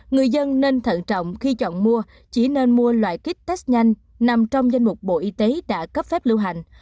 người dân nên thận trọng khi chọn mua chỉ nên mua loại kích test nhanh nằm trong danh mục bộ y tế đã cấp phép lưu hành